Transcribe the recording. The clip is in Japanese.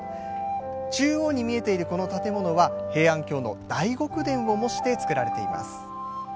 中央に見えている、この建物は平安京の大極殿を模して造られています。